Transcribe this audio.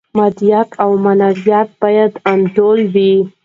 مادیات او معنویات باید انډول وي.